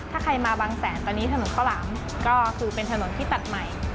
ถ้าใครมาบางแสนตอนนี้ถนนข้าวหลามก็คือเป็นถนนที่ตัดใหม่